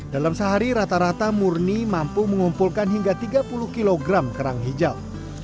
dalam sehari rata rata murni mampu mengumpulkan hingga tiga puluh kg kerang hijau